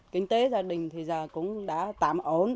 kinh tế gia đình thì giờ cũng đã tạm ổn